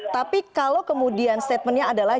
tapi kalau kemudian statementnya adalah